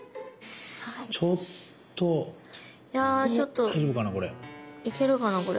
ちょっと切れるかなこれ。